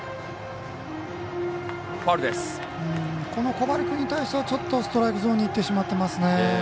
小針君に対してはストライクゾーンにいってしまっています。